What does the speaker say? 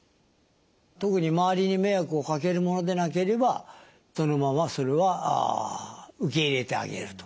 特に周りに迷惑をかけるものでなければそのままそれは受け入れてあげると。